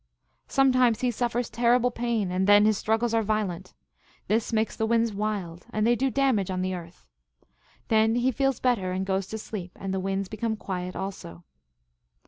Sometimes he suffers terrible pain, and then his struggles are violent. This makes the winds wild, and they do damage on the earth. Then he feels better and goes to sleep, and the winds become quiet also.